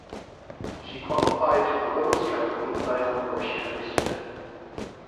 She qualified to the women’s trampoline final where she finished fifth.